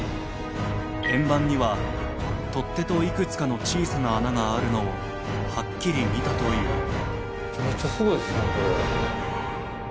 ［円盤には取っ手と幾つかの小さな穴があるのをはっきり見たという］